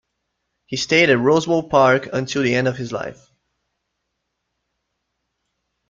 He stayed at Roswell Park until the end of his life.